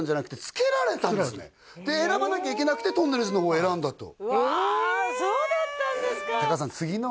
付けられたで選ばなきゃいけなくてＴＵＮＮＥＬＳの方を選んだとうわそうだったんですかえ！